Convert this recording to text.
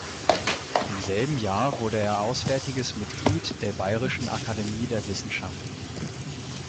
Im selben Jahr wurde er auswärtiges Mitglied der Bayerischen Akademie der Wissenschaften.